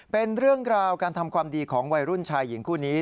เป็นเรื่องราวการทำความดีของวัยรุ่นชายหญิงคู่นี้